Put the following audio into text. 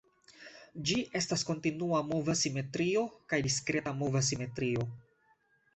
Ĝi estas kontinua mova simetrio kaj diskreta mova simetrio.